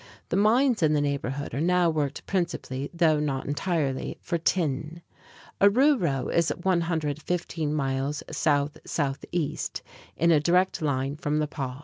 The mines in the neighborhood are now worked principally, though not entirely, for tin. Oruro is 115 miles south southeast in a direct line from La Paz.